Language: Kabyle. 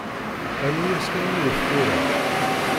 Rnu-yas kan yiwet tura.